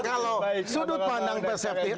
kalau sudut pandang perseptir